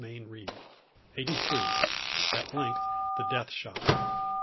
CHAPTER EIGHTY THREE. AT LENGTH THE "DEATH SHOT."